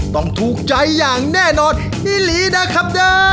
ต้องทูกใจอย่างแน่นอนอีหลีน่าครับ